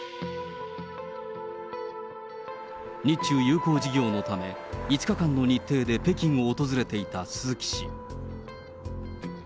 日中友好事業のため、５日間の日程で北京を訪れていた鈴木氏。